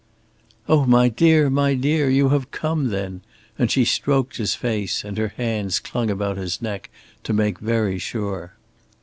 "Oh, my dear, my dear! You have come then?" and she stroked his face, and her hands clung about his neck to make very sure.